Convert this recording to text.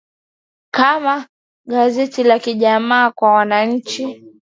kama Gazeti la Kijamaa kwa Wananchi